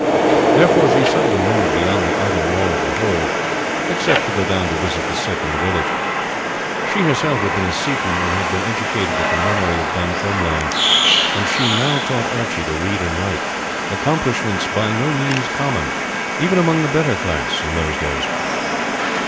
Therefore she seldom moved beyond the outer wall of the hold, except to go down to visit the sick in the village. She herself had been a Seaton, and had been educated at the nunnery of Dunfermline, and she now taught Archie to read and write, accomplishments by no means common even among the better class in those days.